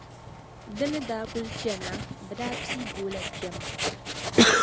Di ni daa kuli chana, bɛ daa piigi o la kpɛma.